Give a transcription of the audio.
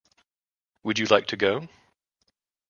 Would you like to go?